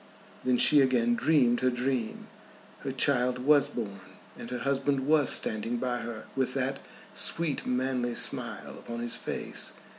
Then she again dreamed her dream. Her child was born, and her husband was standing by her with that sweet manly smile upon his face.